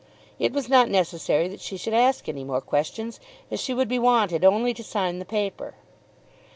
It was not necessary that she should ask any more questions as she would be wanted only to sign the paper.